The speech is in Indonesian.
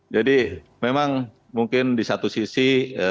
memang mungkin di satu sisi